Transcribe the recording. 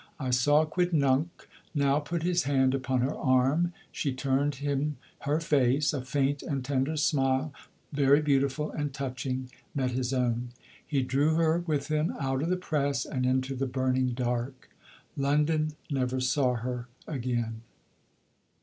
I saw Quidnunc now put his hand upon her arm; she turned him her face, a faint and tender smile, very beautiful and touching, met his own. He drew her with him out of the press and into the burning dark. London never saw her again.